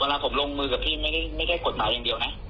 เวลาผมลงมือกับพี่ไม่ได้กฎหมายอย่างเดียวนะ